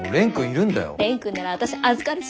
蓮くんなら私預かるし。